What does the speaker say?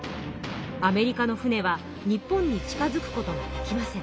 アメリカの船は日本に近づくことができません。